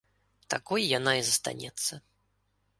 Такой яна і застанецца.